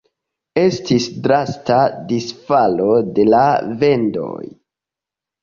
Estis drasta disfalo de la vendoj.